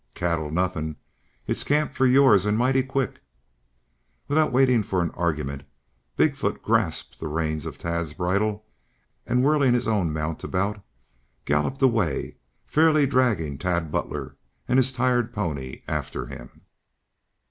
"Cattle nothing. It's the camp for yours and mighty quick!" Without waiting for argument Big foot grasped the reins of Tad's bridle and whirling his own mount about, galloped away, fairly dragging Tad Butler and his tired pony after him.